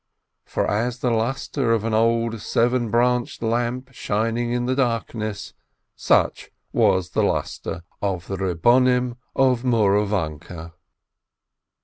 For as the lustre of an old, seven branched lamp shining in the darkness, such was the lustre of the family of the Rabbonim of Mouravanke.